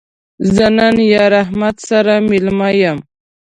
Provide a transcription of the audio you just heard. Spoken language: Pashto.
زه نن یار احمد سره مېلمه یم